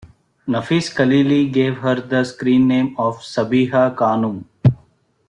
Nafees Khaleeli gave her the screen name of Sabiha Khanum.